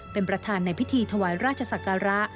เป็นประธานในพิธีถวายราชศักระ